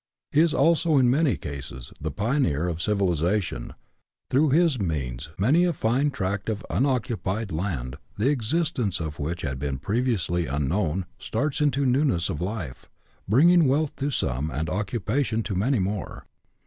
He is also, in many cases, the pioneer of civilization : through his means many a fine tract of unoccupied land, the existence of which had been previously un known, starts into newness of life, bringing wealth to some, and occupation to many more.